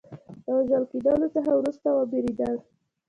له وژل کېدلو څخه وروسته وبېرېدل.